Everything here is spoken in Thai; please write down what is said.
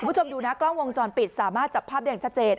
คุณผู้ชมดูนะกล้องวงจรปิดสามารถจับภาพได้อย่างชัดเจน